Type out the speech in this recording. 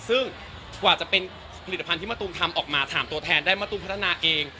ซึ่งกว่าจะเป็นผลิตภัณฑ์ที่มะตูมทำออกมาถามตัวแทนได้มะตูมพัฒนาเอง